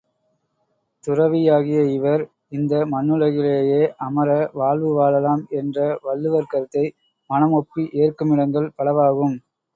துறவியாகிய இவர், இந்த மண்ணுலகிலேயே அமர வாழ்வு வாழலாம் என்ற வள்ளுவர் கருத்தை மனம் ஒப்பி ஏற்குமிடங்கள் பலவாகும்.